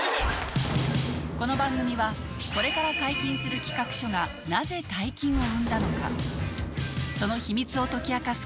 この番組はこれから解金する企画書がなぜ大金を生んだのかその秘密を解き明かす